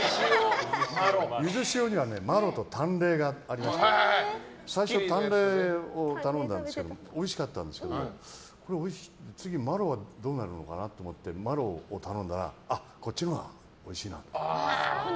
ゆず塩にはまろと淡麗がありまして最初、淡麗を頼んだんですけどおいしかったんですけど次、まろはどうなるのかなと思ってまろを頼んだらこっちのほうがおいしいなって。